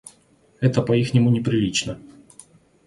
Это по ихнему неприлично.